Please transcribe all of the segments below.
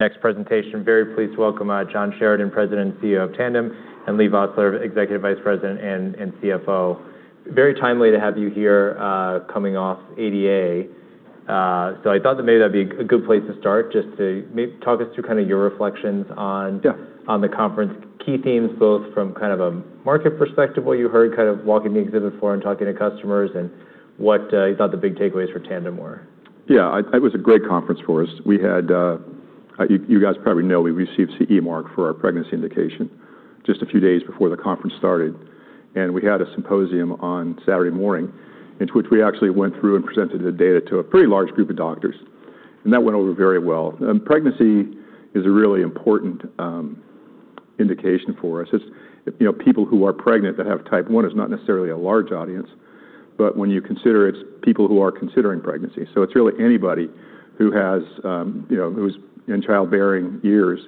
Next presentation. Very pleased to welcome John Sheridan, President and CEO of Tandem, and Leigh Vosseller, Executive Vice President and CFO. Very timely to have you here coming off ADA. I thought that maybe that'd be a good place to start, just to maybe talk us through your reflections on- Yeah. On the conference key themes, both from a market perspective, what you heard walking the exhibit floor and talking to customers, and what you thought the big takeaways for Tandem were. Yeah. It was a great conference for us. You guys probably know we received CE Mark for our pregnancy indication just a few days before the conference started. We had a symposium on Saturday morning in which we actually went through and presented the data to a pretty large group of doctors, and that went over very well. Pregnancy is a really important indication for us. People who are pregnant that have type one is not necessarily a large audience, but when you consider it's people who are considering pregnancy. It's really anybody who's in childbearing years,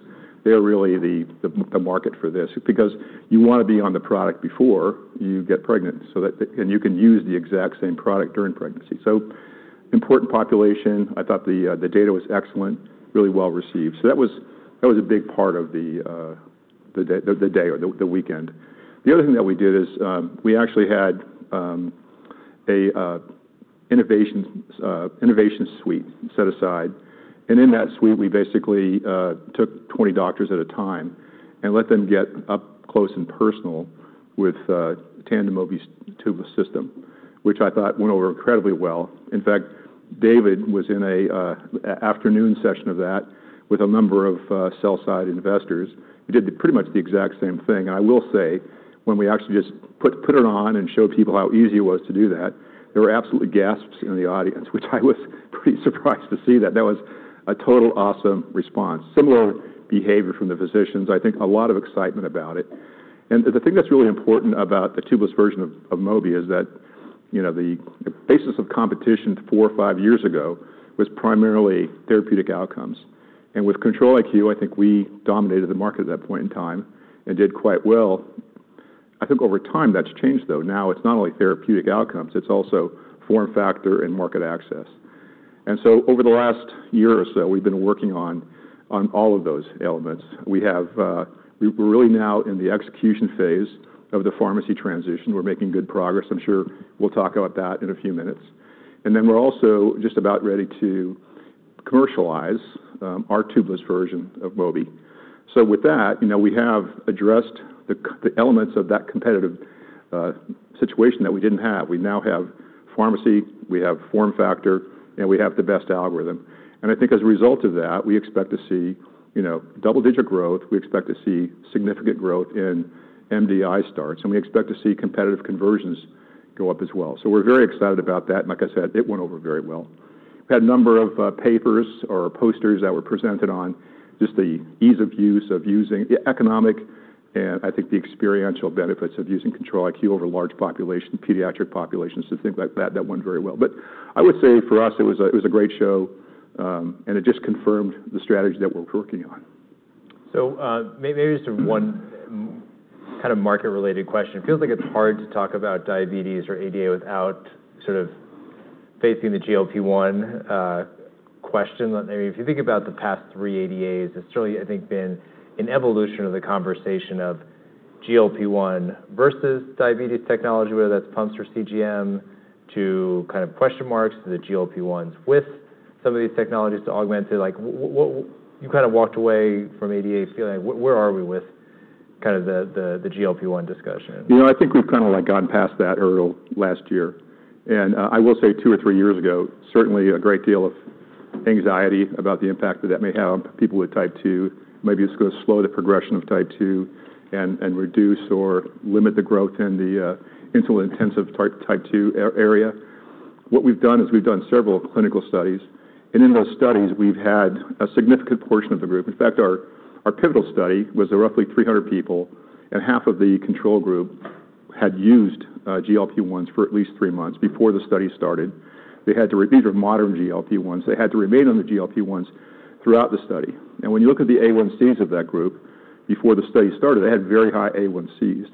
they're really the market for this. Because you want to be on the product before you get pregnant and you can use the exact same product during pregnancy. Important population. I thought the data was excellent. Really well-received. That was a big part of the day, or the weekend. The other thing that we did is we actually had an innovation suite set aside. In that suite, we basically took 20 doctors at a time and let them get up close and personal with Tandem Mobi's tubeless system, which I thought went over incredibly well. In fact, David was in an afternoon session of that with a number of sell-side investors. He did pretty much the exact same thing. I will say, when we actually just put it on and showed people how easy it was to do that, there were absolutely gasps in the audience, which I was pretty surprised to see that. That was a total awesome response. Similar behavior from the physicians. I think a lot of excitement about it. The thing that's really important about the tubeless version of Mobi is that the basis of competition four or five years ago was primarily therapeutic outcomes. With Control-IQ, I think we dominated the market at that point in time and did quite well. Over time, that's changed, though. It's not only therapeutic outcomes, it's also form factor and market access. Over the last year or so, we've been working on all of those elements. We're really now in the execution phase of the pharmacy transition. We're making good progress. I'm sure we'll talk about that in a few minutes. Then we're also just about ready to commercialize our tubeless version of Mobi. With that, we have addressed the elements of that competitive situation that we didn't have. We now have pharmacy, we have form factor, and we have the best algorithm. As a result of that, we expect to see double-digit growth. We expect to see significant growth in MDI starts, and we expect to see competitive conversions go up as well. We're very excited about that. Like I said, it went over very well. We had a number of papers or posters that were presented on just the ease of use of using the economic and, I think, the experiential benefits of using Control-IQ over large pediatric populations. Things like that went very well. I would say for us, it was a great show. It just confirmed the strategy that we're working on. Maybe just one kind of market-related question. It feels like it's hard to talk about diabetes or ADA without sort of facing the GLP-1 question. If you think about the past three ADAs, it's really, I think, been an evolution of the conversation of GLP-1 versus diabetes technology, whether that's pumps for CGM, to kind of question marks to the GLP-1s with some of these technologies to augment it. You kind of walked away from ADA feeling like where are we with kind of the GLP-1 discussion? I think we've kind of gone past that hurdle last year. I will say two or three years ago, certainly a great deal of anxiety about the impact that that may have on people with Type 2. Maybe it's going to slow the progression of Type 2 and reduce or limit the growth in the insulin-intensive Type 2 area. What we've done is we've done several clinical studies, and in those studies, we've had a significant portion of the group. In fact, our pivotal study was roughly 300 people, and half of the control group had used GLP-1s for at least three months before the study started. These are modern GLP-1s. They had to remain on the GLP-1s throughout the study. When you look at the A1Cs of that group before the study started, they had very high A1Cs.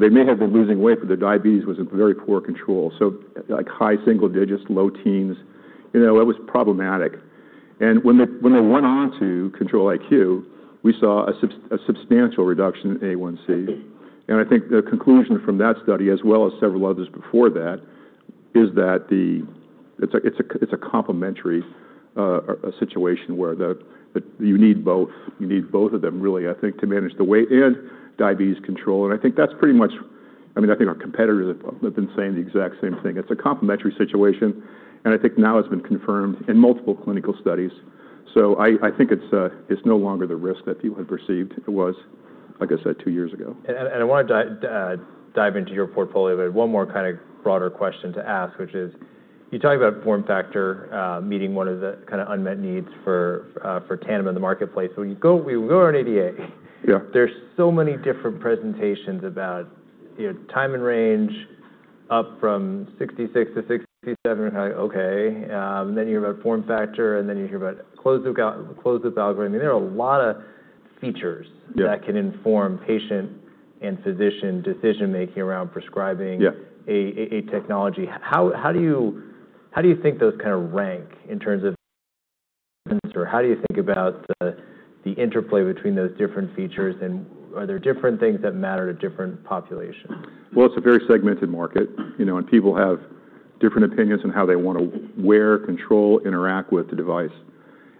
They may have been losing weight, but their diabetes was in very poor control. Like high single digits, low teens. It was problematic. When they went on to Control-IQ, we saw a substantial reduction in A1C. I think the conclusion from that study, as well as several others before that, is that it's a complementary situation where you need both of them, really, I think, to manage the weight and diabetes control. I think that's pretty much. I think our competitors have been saying the exact same thing. It's a complementary situation, I think now it's been confirmed in multiple clinical studies. I think it's no longer the risk that people had perceived it was, like I said, two years ago. I want to dive into your portfolio, but one more kind of broader question to ask, which is, you talk about form factor meeting one of the unmet needs for Tandem in the marketplace. We go to an ADA. Yeah. There's so many different presentations about time in range up from 66%-67%. Okay. You hear about form factor, and then you hear about closed-loop algorithm. There are a lot of features. Yeah. That can inform patient and physician decision-making around prescribing. Yeah. ..a technology. How do you think those kind of rank in terms of? How do you think about the interplay between those different features, and are there different things that matter to different populations? Well, it's a very segmented market. People have different opinions on how they want to wear, control, interact with the device.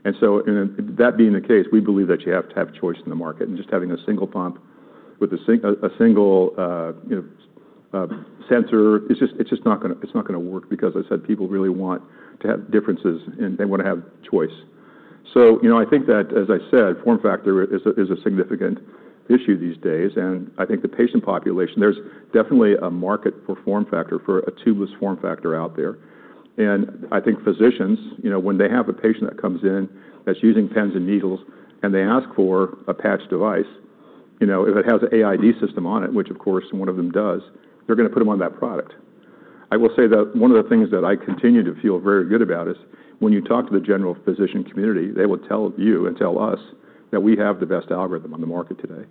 That being the case, we believe that you have to have choice in the market. Just having a single pump with a single sensor, it's just not going to work because as I said, people really want to have differences and they want to have choice. I think that as I said, form factor is a significant issue these days, and I think the patient population, there's definitely a market for form factor, for a tubeless form factor out there. I think physicians, when they have a patient that comes in that's using pens and needles and they ask for a patch device, if it has an AID system on it, which of course one of them does, they're going to put them on that product. I will say that one of the things that I continue to feel very good about is when you talk to the general physician community, they will tell you and tell us that we have the best algorithm on the market today.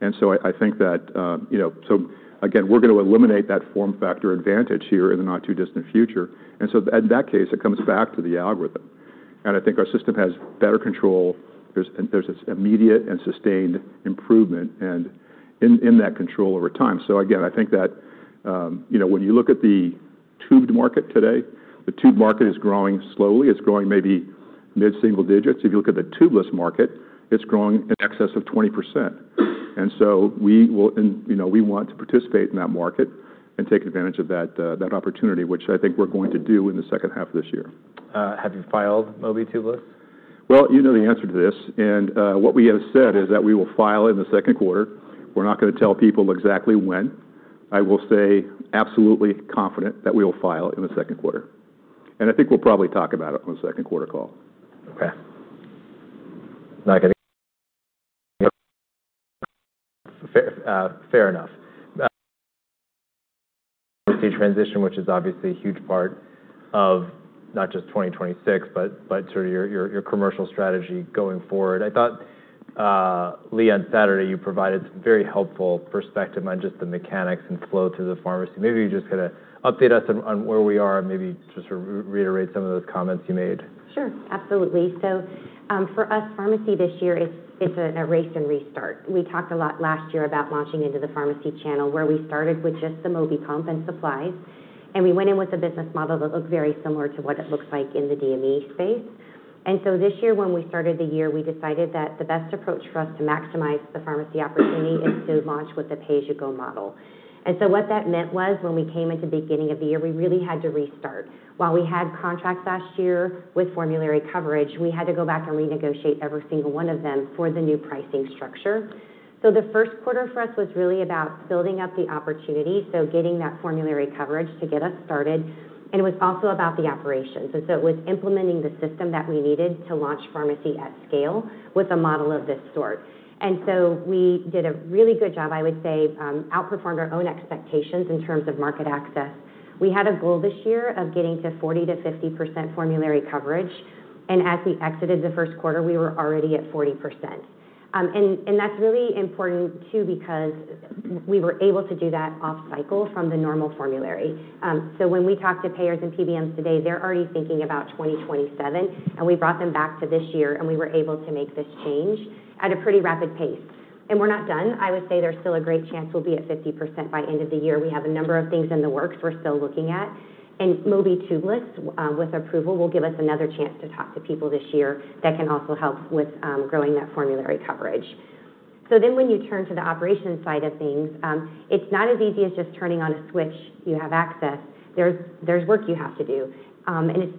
I think that again, we're going to eliminate that form factor advantage here in the not-too-distant future. In that case, it comes back to the algorithm. I think our system has better control. There's this immediate and sustained improvement in that control over time. Again, I think that when you look at the tubed market today, the tubed market is growing slowly. It's growing maybe mid-single digits. If you look at the tubeless market, it's growing in excess of 20%. We want to participate in that market and take advantage of that opportunity, which I think we're going to do in the second half of this year. Have you filed Mobi Tubeless? Well, you know the answer to this, what we have said is that we will file in the second quarter. We're not going to tell people exactly when. I will say absolutely confident that we will file in the second quarter. I think we'll probably talk about it on the second quarter call. Okay. Not going to. Fair enough. transition, which is obviously a huge part of not just 2026, but sort of your commercial strategy going forward. I thought, Leigh, on Saturday, you provided some very helpful perspective on just the mechanics and flow to the pharmacy. Maybe you just kind of update us on where we are and maybe just reiterate some of those comments you made. Sure. Absolutely. For us pharmacy this year is a race and restart. We talked a lot last year about launching into the pharmacy channel, where we started with just the Mobi pump and supplies. We went in with a business model that looked very similar to what it looks like in the DME space. This year when we started the year, we decided that the best approach for us to maximize the pharmacy opportunity is to launch with a pay-as-you-go model. What that meant was when we came at the beginning of the year, we really had to restart. While we had contracts last year with formulary coverage, we had to go back and renegotiate every single one of them for the new pricing structure. The first quarter for us was really about building up the opportunity, getting that formulary coverage to get us started, and it was also about the operations. It was implementing the system that we needed to launch pharmacy at scale with a model of this sort. We did a really good job, I would say, outperformed our own expectations in terms of market access. We had a goal this year of getting to 40%-50% formulary coverage. As we exited the first quarter, we were already at 40%. That's really important too, because we were able to do that off cycle from the normal formulary. When we talk to payers and PBMs today, they're already thinking about 2027, and we brought them back to this year, and we were able to make this change at a pretty rapid pace. We're not done. I would say there's still a great chance we'll be at 50% by end of the year. We have a number of things in the works we're still looking at. Mobi Tubeless, with approval, will give us another chance to talk to people this year that can also help with growing that formulary coverage. When you turn to the operations side of things, it's not as easy as just turning on a switch, you have access. There's work you have to do.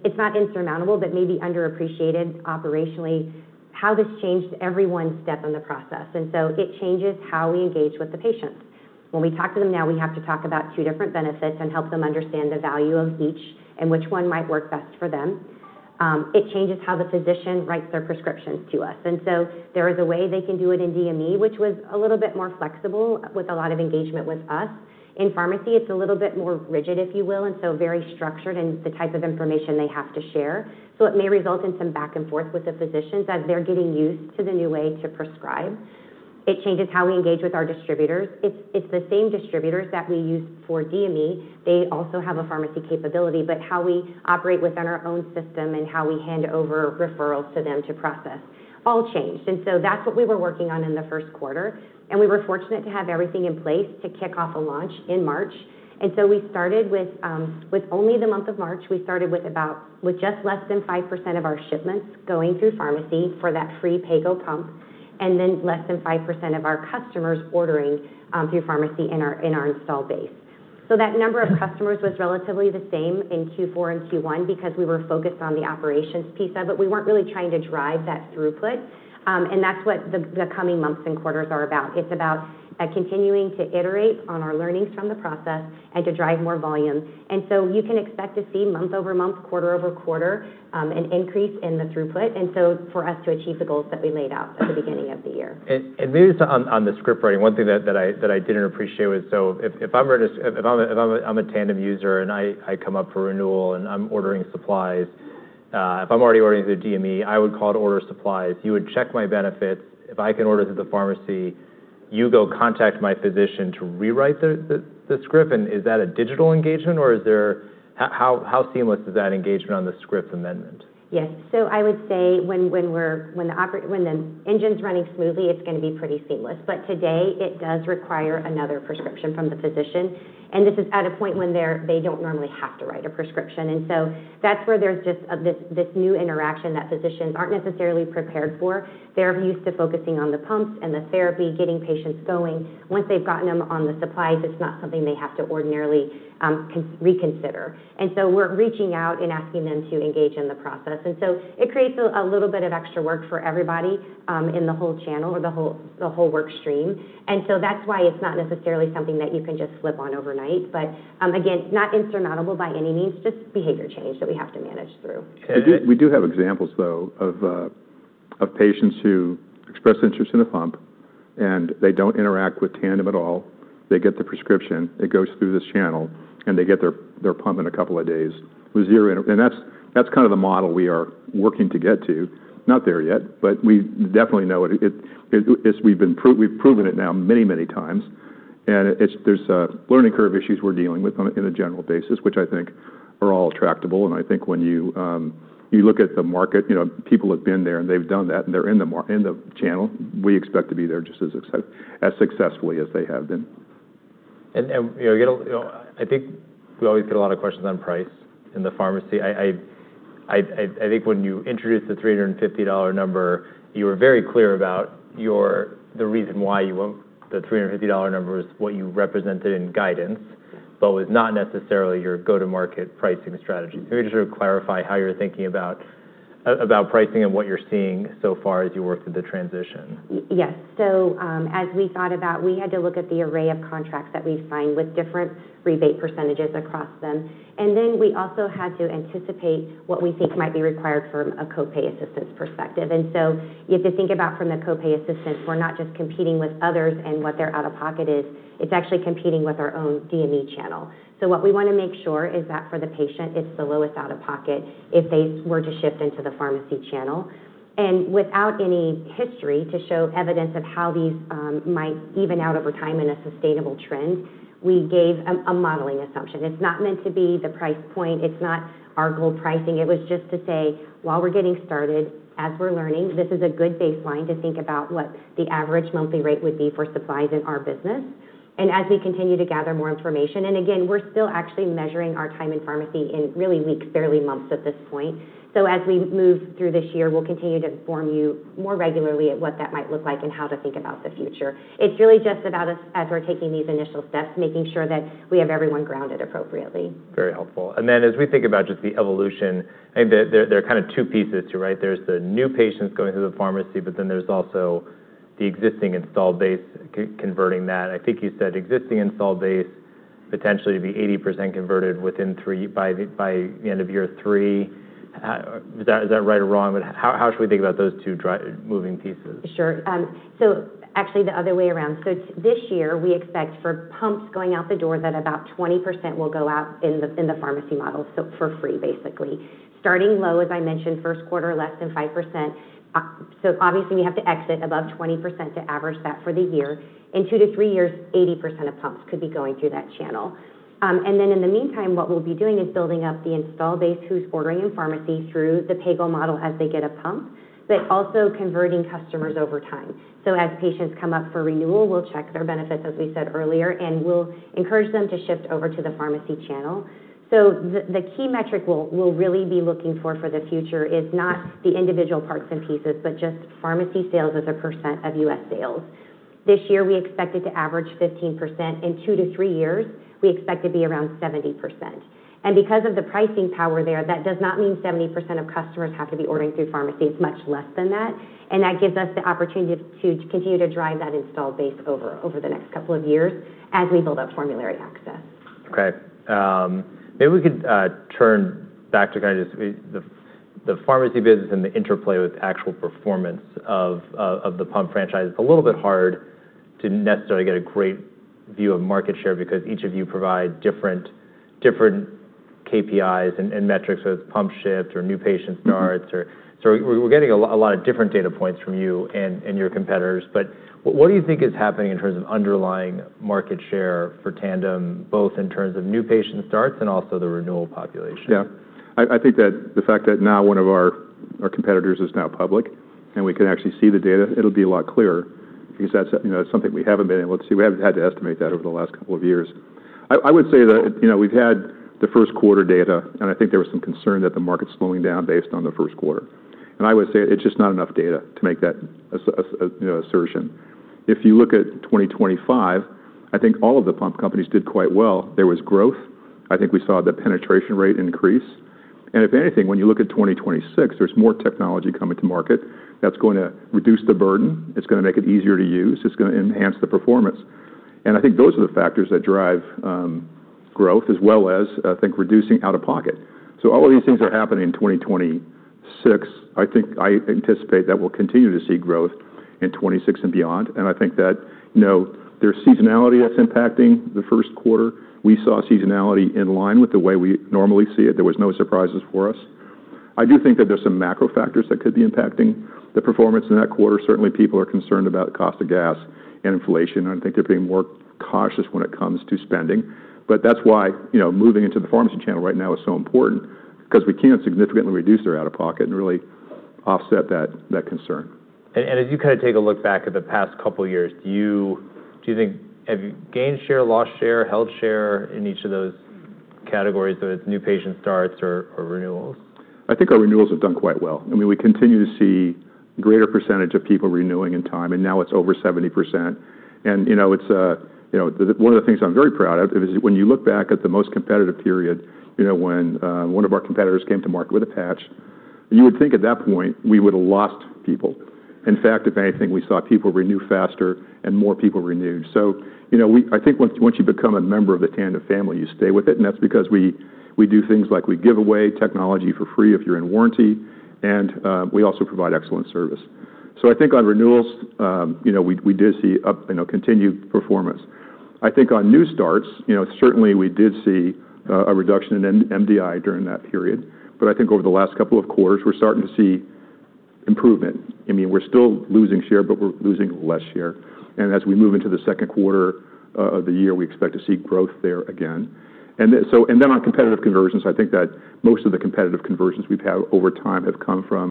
It's not insurmountable, but maybe underappreciated operationally, how this changed every one step in the process. It changes how we engage with the patients. When we talk to them now, we have to talk about two different benefits and help them understand the value of each and which one might work best for them. It changes how the physician writes their prescriptions to us. There is a way they can do it in DME, which was a little bit more flexible with a lot of engagement with us. In pharmacy, it's a little bit more rigid, if you will, very structured in the type of information they have to share. It may result in some back and forth with the physicians as they're getting used to the new way to prescribe. It changes how we engage with our distributors. It's the same distributors that we use for DME. They also have a pharmacy capability. How we operate within our own system and how we hand over referrals to them to process, all changed. That's what we were working on in the first quarter, and we were fortunate to have everything in place to kick off a launch in March. We started with only the month of March. We started with just less than 5% of our shipments going through pharmacy for that free pay go pump, and then less than 5% of our customers ordering through pharmacy in our install base. That number of customers was relatively the same in Q4 and Q1 because we were focused on the operations piece of it. We weren't really trying to drive that throughput. That's what the coming months and quarters are about. It's about continuing to iterate on our learnings from the process and to drive more volume. You can expect to see month-over-month, quarter-over-quarter, an increase in the throughput. For us to achieve the goals that we laid out at the beginning of the year. If I'm a Tandem user and I come up for renewal and I'm ordering supplies. If I'm already ordering through DME, I would call to order supplies. You would check my benefits. If I can order through the pharmacy, you go contact my physician to rewrite the script. Is that a digital engagement? How seamless is that engagement on the script amendment? Yes. I would say when the engine's running smoothly, it's going to be pretty seamless. Today, it does require another prescription from the physician. This is at a point when they don't normally have to write a prescription. That's where there's just this new interaction that physicians aren't necessarily prepared for. They're used to focusing on the pumps and the therapy, getting patients going. Once they've gotten them on the supplies, it's not something they have to ordinarily reconsider. We're reaching out and asking them to engage in the process. It creates a little bit of extra work for everybody in the whole channel or the whole work stream. That's why it's not necessarily something that you can just flip on overnight. Again, not insurmountable by any means, just behavior change that we have to manage through. Okay. We do have examples, though, of patients who express interest in a pump and they don't interact with Tandem at all. They get the prescription, it goes through this channel, and they get their pump in a couple of days with zero. That's kind of the model we are working to get to. Not there yet, we definitely know it. We've proven it now many, many times, and there's learning curve issues we're dealing with on a general basis, which I think are all tractable. When you look at the market, people have been there and they've done that, and they're in the channel. We expect to be there just as successfully as they have been. I think we always get a lot of questions on price in the pharmacy. I think when you introduced the $350 number, you were very clear about the reason why you want the $350 number is what you represented in guidance, but was not necessarily your go-to-market pricing strategy. Can you just sort of clarify how you're thinking about pricing and what you're seeing so far as you work through the transition? Yes. As we thought about, we had to look at the array of contracts that we signed with different rebate percentages across them. We also had to anticipate what we think might be required from a copay assistance perspective. You have to think about from the copay assistance, we're not just competing with others and what their out-of-pocket is. It's actually competing with our own DME channel. What we want to make sure is that for the patient, it's the lowest out-of-pocket if they were to shift into the pharmacy channel. Without any history to show evidence of how these might even out over time in a sustainable trend, we gave a modeling assumption. It's not meant to be the price point. It's not our goal pricing. It was just to say, while we're getting started, as we're learning, this is a good baseline to think about what the average monthly rate would be for supplies in our business. As we continue to gather more information, again, we're still actually measuring our time in pharmacy in really weeks, barely months at this point. As we move through this year, we'll continue to inform you more regularly at what that might look like and how to think about the future. It's really just about us as we're taking these initial steps, making sure that we have everyone grounded appropriately. Very helpful. Then as we think about just the evolution, I think there are kind of two pieces too, right? There's the new patients going through the pharmacy, but then there's also the existing installed base converting that. I think you said existing installed base potentially to be 80% converted by the end of year three. Is that right or wrong? How should we think about those two moving pieces? Actually, the other way around. This year, we expect for pumps going out the door that about 20% will go out in the pharmacy model, so for free, basically. Starting low, as I mentioned, first quarter, less than 5%. Obviously, we have to exit above 20% to average that for the year. In two to three years, 80% of pumps could be going through that channel. In the meantime, what we'll be doing is building up the install base who's ordering in pharmacy through the pay-as-you-go model as they get a pump, but also converting customers over time. As patients come up for renewal, we'll check their benefits, as we said earlier, and we'll encourage them to shift over to the pharmacy channel. The key metric we'll really be looking for the future is not the individual parts and pieces, but just pharmacy sales as a percent of U.S. sales. This year, we expect it to average 15%. In two to three years, we expect to be around 70%. Because of the pricing power there, that does not mean 70% of customers have to be ordering through pharmacy. It's much less than that, and that gives us the opportunity to continue to drive that installed base over the next couple of years as we build out formulary access. Okay. Maybe we could turn back to kind of just the pharmacy business and the interplay with actual performance of the pump franchise. It's a little bit hard to necessarily get a great view of market share because each of you provide different KPIs and metrics. It's pump shifts or new patient starts. We're getting a lot of different data points from you and your competitors. What do you think is happening in terms of underlying market share for Tandem, both in terms of new patient starts and also the renewal population? Yeah. I think that the fact that now one of our competitors is now public and we can actually see the data, it'll be a lot clearer because that's something we haven't been able to see. We haven't had to estimate that over the last couple of years. I would say that we've had the first quarter data, and I think there was some concern that the market's slowing down based on the first quarter. I would say it's just not enough data to make that assertion. If you look at 2025, I think all of the pump companies did quite well. There was growth. I think we saw the penetration rate increase. If anything, when you look at 2026, there's more technology coming to market that's going to reduce the burden. It's going to make it easier to use. It's going to enhance the performance. I think those are the factors that drive growth as well as, I think, reducing out-of-pocket. All of these things are happening in 2026. I anticipate that we'll continue to see growth in 2026 and beyond, I think that there's seasonality that's impacting the first quarter. We saw seasonality in line with the way we normally see it. There was no surprises for us. I do think that there's some macro factors that could be impacting the performance in that quarter. Certainly, people are concerned about cost of gas and inflation. I think they're being more cautious when it comes to spending. That's why moving into the pharmacy channel right now is so important, because we can significantly reduce their out-of-pocket and really offset that concern. As you take a look back at the past couple of years, have you gained share, lost share, held share in each of those categories, whether it's new patient starts or renewals? I think our renewals have done quite well. We continue to see greater percentage of people renewing in time, and now it's over 70%. One of the things I'm very proud of is when you look back at the most competitive period, when one of our competitors came to market with a patch, you would think at that point we would've lost people. In fact, if anything, we saw people renew faster and more people renew. I think once you become a member of the Tandem family, you stay with it. That's because we do things like we give away technology for free if you're in warranty, and we also provide excellent service. I think on renewals, we did see continued performance. I think on new starts, certainly we did see a reduction in MDI during that period. I think over the last couple of quarters, we're starting to see improvement. We're still losing share, but we're losing less share. As we move into the second quarter of the year, we expect to see growth there again. Then on competitive conversions, I think that most of the competitive conversions we've had over time have come from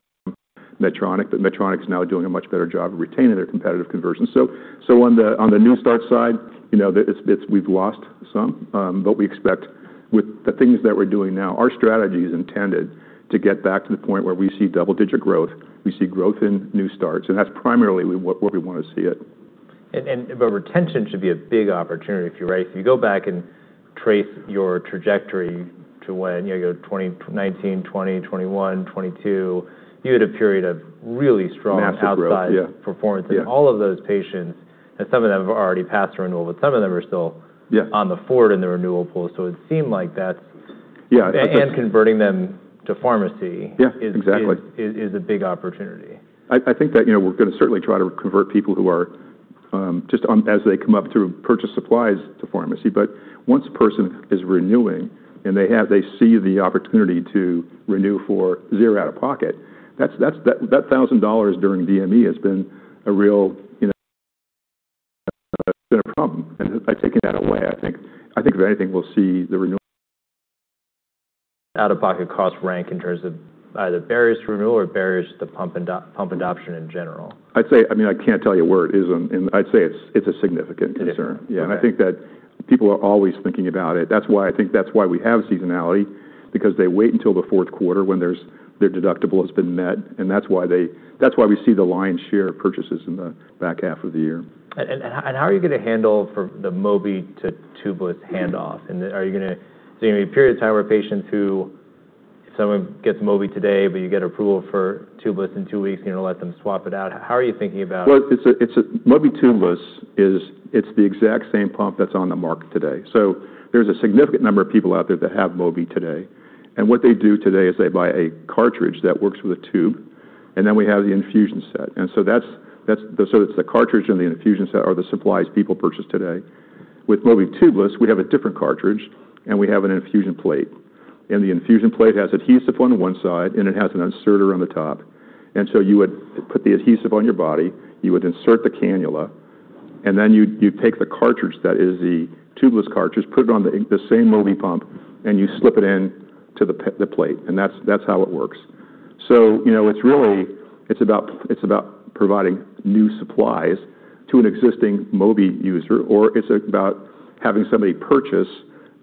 Medtronic, but Medtronic's now doing a much better job of retaining their competitive conversions. On the new start side, we've lost some, but we expect with the things that we're doing now, our strategy is intended to get back to the point where we see double-digit growth. We see growth in new starts, and that's primarily where we want to see it. Retention should be a big opportunity if you go back and trace your trajectory to when, you go 2019, 2020, 2021, 2022, you had a period of really strong. Massive growth. Yeah. Outside performance. Yeah. All of those patients, and some of them have already passed renewal, but some of them are still. Yeah. On the forward in the renewal pool. Yeah. converting them to pharmacy. Yeah. Exactly Is a big opportunity. I think that we're going to certainly try to convert people who are, just as they come up to purchase supplies to pharmacy. Once a person is renewing and they see the opportunity to renew for zero out of pocket, that $1,000 during DME has been a problem. By taking that away, I think if anything, we'll see the renewal- Out-of-pocket costs rank in terms of either barriers to renewal or barriers to pump adoption in general. I'd say, I can't tell you where it is, and I'd say it's a significant concern. It is. Okay. Yeah. I think that people are always thinking about it. I think that's why we have seasonality, because they wait until the fourth quarter when their deductible has been met, and that's why we see the lion's share of purchases in the back half of the year. How are you going to handle for the Mobi to tubeless handoff? Are you going to be a period of time where patients who, if someone gets Mobi today, but you get approval for tubeless in two weeks, you're going to let them swap it out. How are you thinking about- Mobi Tubeless is the exact same pump that's on the market today. There's a significant number of people out there that have Mobi today. What they do today is they buy a cartridge that works with a tube, and then we have the infusion set. It's the cartridge and the infusion set are the supplies people purchase today. With Mobi Tubeless, we'd have a different cartridge, and we have an infusion plate. The infusion plate has adhesive on one side, and it has an inserter on the top. You would put the adhesive on your body, you would insert the cannula, and then you'd take the cartridge that is the tubeless cartridge, put it on the same Mobi pump, and you slip it in to the plate. That's how it works. It's about providing new supplies to an existing Mobi user, or it's about having somebody purchase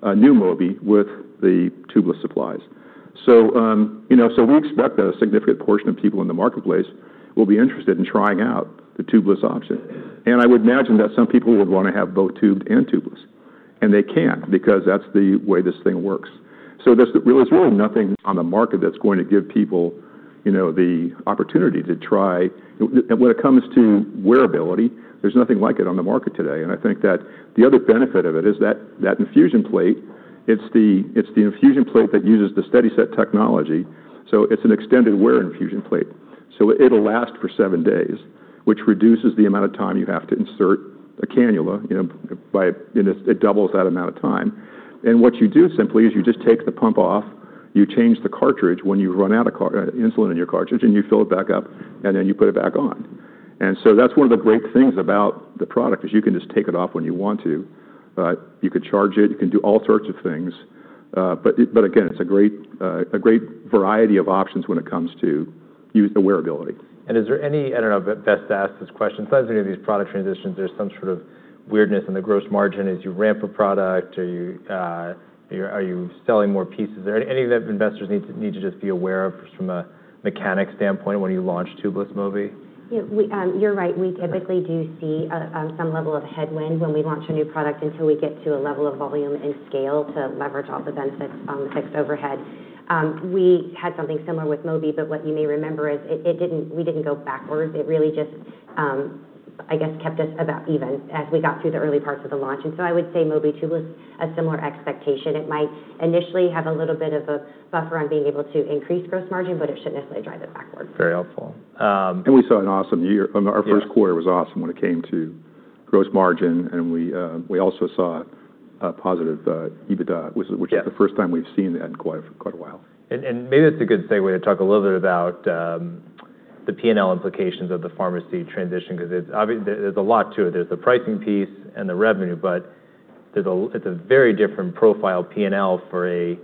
a new Mobi with the tubeless supplies. We expect that a significant portion of people in the marketplace will be interested in trying out the tubeless option. I would imagine that some people would want to have both tubed and tubeless, and they can because that's the way this thing works. There's really nothing on the market that's going to give people the opportunity to try. When it comes to wearability, there's nothing like it on the market today. I think that the other benefit of it is that infusion plate, it's the infusion plate that uses the SteadiSet technology. It's an extended wear infusion plate. It'll last for seven days, which reduces the amount of time you have to insert a cannula. It doubles that amount of time. What you do simply is you just take the pump off, you change the cartridge when you run out of insulin in your cartridge, and you fill it back up, and then you put it back on. That's one of the great things about the product is you can just take it off when you want to. You could charge it. You can do all sorts of things. Again, it's a great variety of options when it comes to the wearability. Is there any, I don't know, Beth's asked this question. Sometimes any of these product transitions, there's some sort of weirdness in the gross margin as you ramp a product. Are you selling more pieces? Are there any of the investors need to just be aware of just from a mechanic standpoint when you launch tubeless Mobi? Yeah. You're right. We typically do see some level of headwind when we launch a new product until we get to a level of volume and scale to leverage all the benefits on the fixed overhead. We had something similar with Mobi, what you may remember is we didn't go backwards. It really just, I guess, kept us about even as we got through the early parts of the launch. I would say Mobi Tubeless was a similar expectation. It might initially have a little bit of a buffer on being able to increase gross margin, but it shouldn't necessarily drive it backwards. Very helpful. We saw an awesome year. Yeah. Our first quarter was awesome when it came to gross margin, and we also saw a positive EBITDA. Yeah. Which is the first time we've seen that in quite a while. Maybe it's a good segue to talk a little bit about the P&L implications of the pharmacy transition, because there's a lot to it. There's the pricing piece and the revenue, but it's a very different profile P&L for a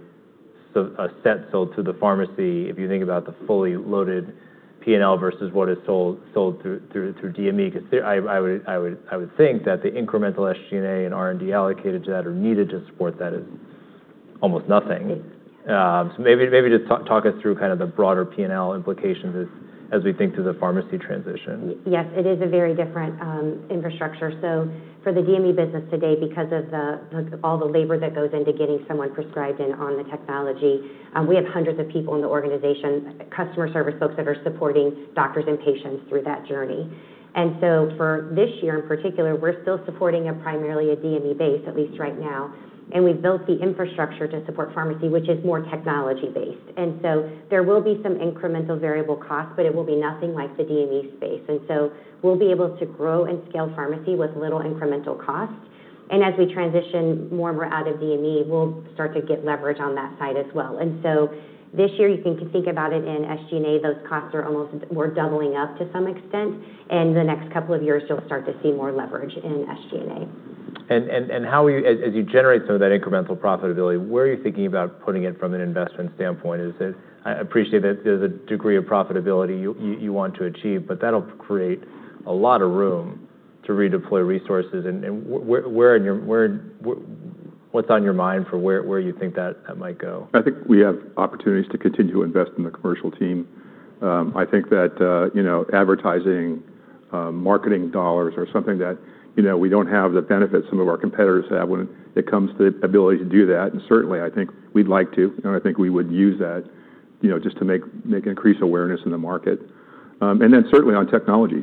set sold to the pharmacy if you think about the fully loaded P&L versus what is sold through DME. Because I would think that the incremental SG&A and R&D allocated to that, or needed to support that, is almost nothing. Maybe just talk us through kind of the broader P&L implications as we think through the pharmacy transition. Yes, it is a very different infrastructure. For the DME business today, because of all the labor that goes into getting someone prescribed and on the technology, we have hundreds of people in the organization, customer service folks that are supporting doctors and patients through that journey. For this year in particular, we're still supporting primarily a DME base, at least right now, and we've built the infrastructure to support pharmacy, which is more technology-based. There will be some incremental variable costs, but it will be nothing like the DME space. We'll be able to grow and scale pharmacy with little incremental cost. As we transition more and more out of DME, we'll start to get leverage on that side as well. This year you can think about it in SG&A, those costs are almost, we're doubling up to some extent. In the next couple of years, you'll start to see more leverage in SG&A. As you generate some of that incremental profitability, where are you thinking about putting it from an investment standpoint? I appreciate that there's a degree of profitability you want to achieve, but that'll create a lot of room to redeploy resources. What's on your mind for where you think that might go? I think we have opportunities to continue to invest in the commercial team. I think that advertising marketing dollars are something that we don't have the benefit some of our competitors have when it comes to the ability to do that. Certainly, I think we'd like to, and I think we would use that just to make increased awareness in the market. Certainly on technology.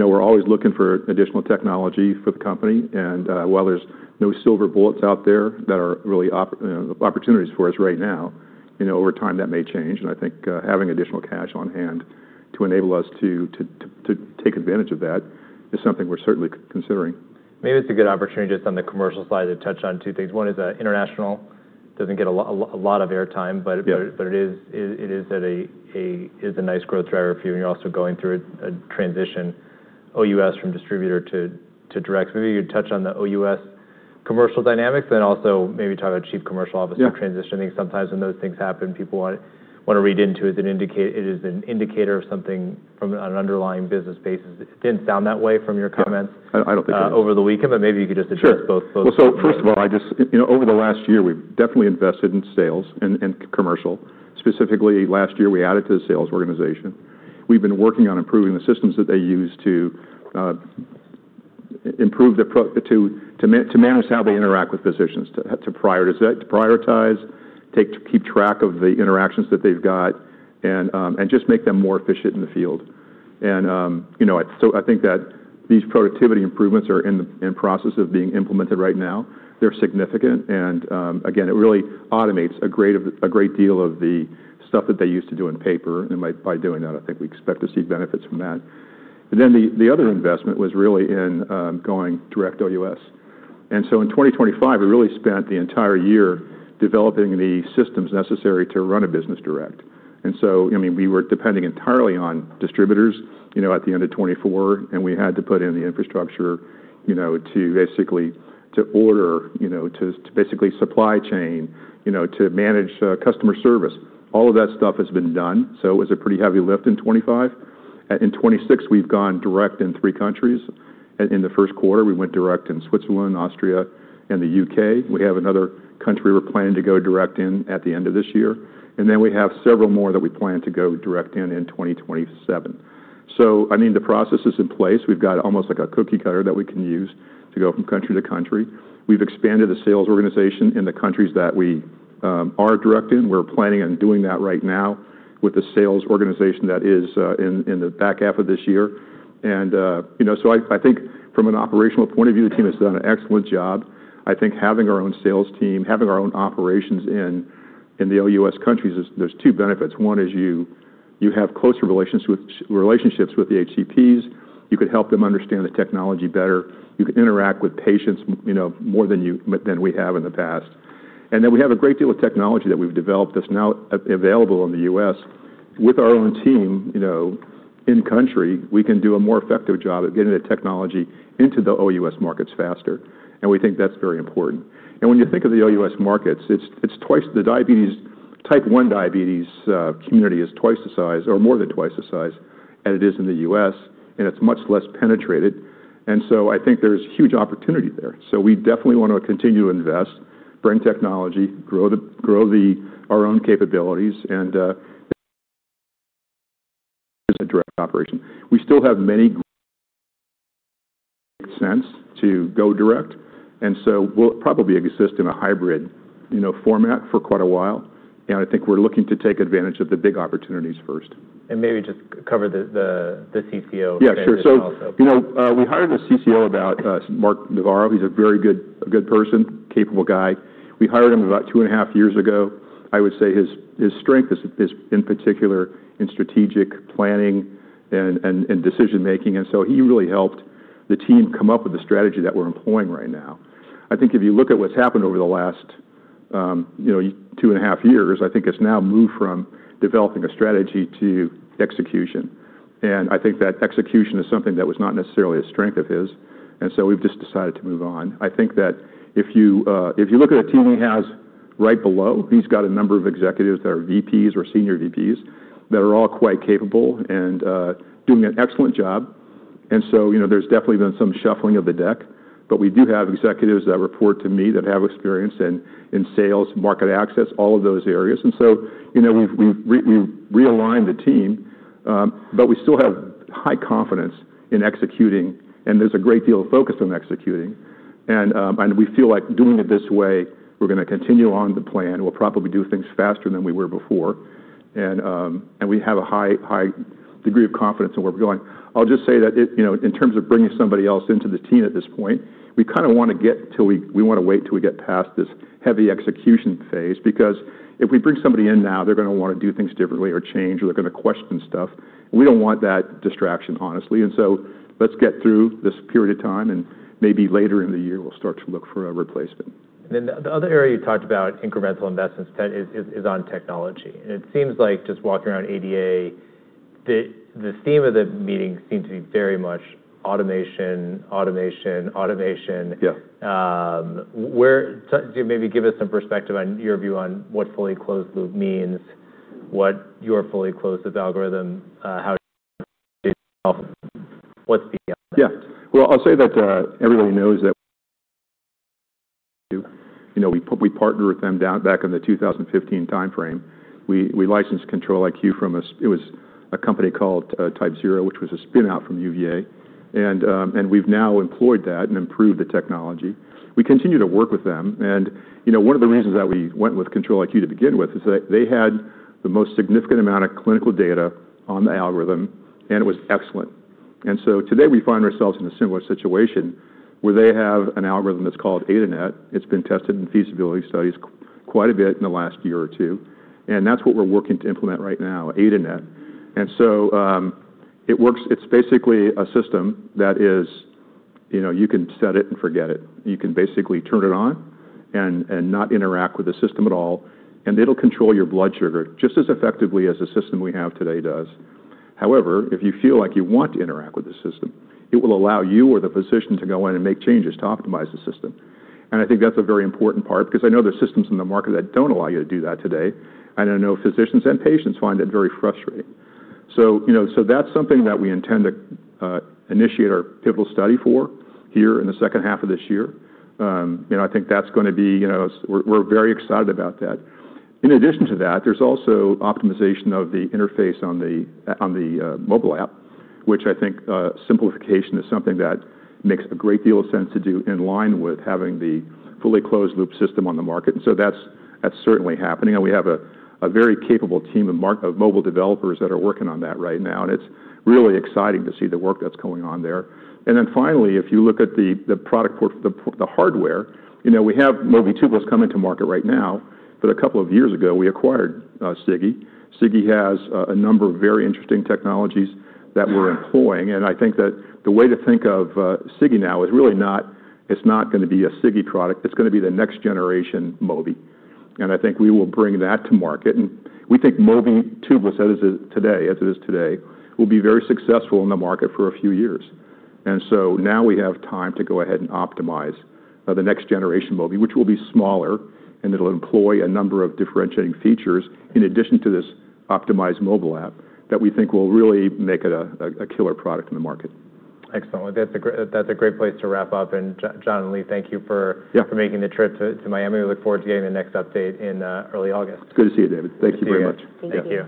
We're always looking for additional technology for the company, and while there's no silver bullets out there that are really opportunities for us right now, over time that may change. I think having additional cash on hand to enable us to take advantage of that is something we're certainly considering. Maybe it's a good opportunity just on the commercial side to touch on two things. One is that international doesn't get a lot of air time, but. Yeah. It is a nice growth driver for you. You're also going through a transition OUS from distributor to direct. Maybe you touch on the OUS commercial dynamics. Also maybe talk about Chief Commercial Officer transitioning. Yeah. Sometimes when those things happen, people want to read into it as an indicator of something from an underlying business basis. It didn't sound that way from your comments. Yeah. I don't think it is. Over the weekend, but maybe you could just address both. Sure. Well, first of all, over the last year, we've definitely invested in sales and commercial. Specifically last year, we added to the sales organization. We've been working on improving the systems that they use to manage how they interact with physicians, to prioritize, to keep track of the interactions that they've got, and just make them more efficient in the field. I think that these productivity improvements are in process of being implemented right now. They're significant and again, it really automates a great deal of the stuff that they used to do on paper. By doing that, I think we expect to see benefits from that. The other investment was really in going direct OUS. In 2025, we really spent the entire year developing the systems necessary to run a business direct. We were depending entirely on distributors at the end of 2024, and we had to put in the infrastructure to basically supply chain, to manage customer service. All of that stuff has been done. It was a pretty heavy lift in 2025. In 2026, we've gone direct in three countries. In the first quarter, we went direct in Switzerland, Austria, and the U.K. We have another country we're planning to go direct in at the end of this year. We have several more that we plan to go direct in in 2027. The process is in place. We've got almost like a cookie cutter that we can use to go from country to country. We've expanded the sales organization in the countries that we are direct in. We're planning on doing that right now with the sales organization that is in the back half of this year. I think from an operational point of view, the team has done an excellent job. I think having our own sales team, having our own operations in the OUS countries, there's two benefits. One is you have closer relationships with the HCPs. You can help them understand the technology better. You can interact with patients more than we have in the past. We have a great deal of technology that we've developed that's now available in the U.S. With our own team in-country, we can do a more effective job at getting the technology into the OUS markets faster, and we think that's very important. When you think of the OUS markets, the type 1 diabetes community is twice the size or more than twice the size as it is in the U.S., and it's much less penetrated. I think there's huge opportunity there. We definitely want to continue to invest, bring technology, grow our own capabilities, and as a direct operation. Makes sense to go direct, we'll probably exist in a hybrid format for quite a while. I think we're looking to take advantage of the big opportunities first. Maybe just cover the CCO transition also. Yeah, sure. We hired a CCO, Mark Novara. He's a very good person, capable guy. We hired him about two and a half years ago. I would say his strength is, in particular, in strategic planning and decision making. He really helped the team come up with the strategy that we're employing right now. I think if you look at what's happened over the last two and a half years, I think it's now moved from developing a strategy to execution. I think that execution is something that was not necessarily a strength of his, we've just decided to move on. I think that if you look at the team he has right below, he's got a number of executives that are VPs or senior VPs that are all quite capable and doing an excellent job. There's definitely been some shuffling of the deck, but we do have executives that report to me that have experience in sales, market access, all of those areas. We've realigned the team. We still have high confidence in executing, and there's a great deal of focus on executing. We feel like doing it this way, we're going to continue on the plan. We'll probably do things faster than we were before. We have a high degree of confidence in where we're going. I'll just say that in terms of bringing somebody else into the team at this point, we kind of want to wait till we get past this heavy execution phase, because if we bring somebody in now, they're going to want to do things differently or change or they're going to question stuff. We don't want that distraction, honestly. let's get through this period of time, maybe later in the year we'll start to look for a replacement. The other area you talked about, incremental investments, is on technology. It seems like just walking around ADA, the theme of the meeting seemed to be very much automation, automation. Yeah. Maybe give us some perspective on your view on what fully closed loop means, what your fully closed loop algorithm, how what's the? Yeah. Well, I'll say that everybody knows that we partnered with them back in the 2015 timeframe. We licensed Control-IQ from a company called TypeZero, which was a spin-out from UVA. We've now employed that and improved the technology. We continue to work with them. One of the reasons that we went with Control-IQ to begin with is that they had the most significant amount of clinical data on the algorithm, and it was excellent. Today, we find ourselves in a similar situation where they have an algorithm that's called AIDANET. It's been tested in feasibility studies quite a bit in the last year or two, and that's what we're working to implement right now, AIDANET. It's basically a system that is you can set it and forget it. You can basically turn it on and not interact with the system at all, it'll control your blood sugar just as effectively as the system we have today does. However, if you feel like you want to interact with the system, it will allow you or the physician to go in and make changes to optimize the system. I think that's a very important part because I know there's systems in the market that don't allow you to do that today, and I know physicians and patients find it very frustrating. That's something that we intend to initiate our pivotal study for here in the second half of this year. We're very excited about that. In addition to that, there's also optimization of the interface on the mobile app, which I think simplification is something that makes a great deal of sense to do in line with having the fully closed loop system on the market. That's certainly happening, and we have a very capable team of mobile developers that are working on that right now, it's really exciting to see the work that's going on there. Finally, if you look at the product, the hardware, we have Mobi 2 that's coming to market right now, but a couple of years ago, we acquired Sigi. Sigi has a number of very interesting technologies that we're employing, I think that the way to think of Sigi now is it's not going to be a Sigi product, it's going to be the next generation Mobi. I think we will bring that to market. We think Mobi 2, as it is today, will be very successful in the market for a few years. Now we have time to go ahead and optimize the next generation Mobi, which will be smaller, and it'll employ a number of differentiating features in addition to this optimized mobile app that we think will really make it a killer product in the market. Excellent. That's a great place to wrap up. John, Leigh, thank you for. Yeah. Making the trip to Miami. We look forward to getting the next update in early August. Good to see you, David. Thank you very much. See you. Thank you.